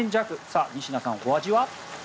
さあ仁科さん、お味は？